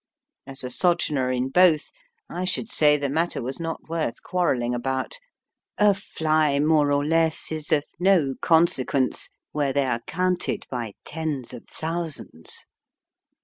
As a sojourner in both, I should say the matter was not worth quarrelling about. A fly more or less is of no consequence where they are counted by tens of thousands.